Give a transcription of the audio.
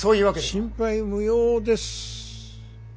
心配無用です。